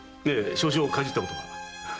少々かじったことが。